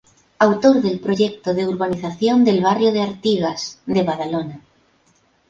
Autor del proyecto de urbanización del barrio de Artigas, de Badalona.